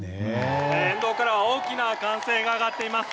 沿道からは大きな歓声が上がっています。